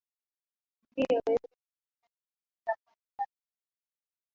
ndiyo yote yanapatikana katika pale karibu na